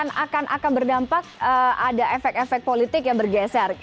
jadi akan berdampak ada efek efek politik yang bergeser